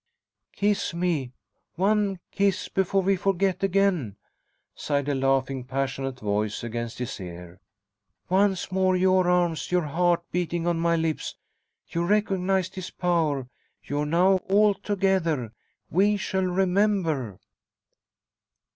"Kiss me one kiss before we forget again...!" sighed a laughing, passionate voice against his ear. "Once more your arms, your heart beating on my lips...! You recognised his power. You are now altogether! We shall remember!"